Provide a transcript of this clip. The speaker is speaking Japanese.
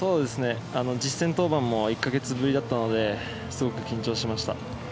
実戦登板も１か月ぶりだったのですごく緊張しました。